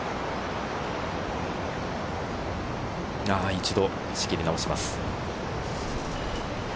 一度、仕切り直します。